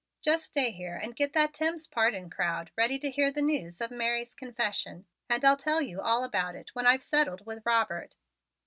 "Just stay here and get that Timms pardon crowd ready to hear the news of Mary's confession and I'll tell you all about it when I've settled with Robert."